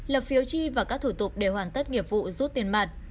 lập phiếu chi và các thủ tục để hoàn tất nghiệp vụ rút tiền mặt